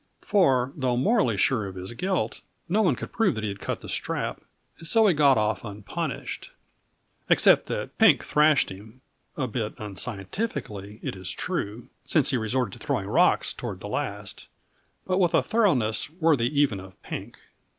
For though morally sure of his guilt, no one could prove that he had cut the strap, and so he got off unpunished, except that Pink thrashed him a bit unscientifically, it is true, since he resorted to throwing rocks toward the last, but with a thoroughness worthy even of Pink.